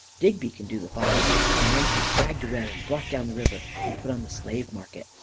Digby can do the father. And then she is dragged away, and brought down the river and put on the slave market.